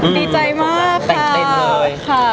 มีใจมากค่ะ้งเต้นเลย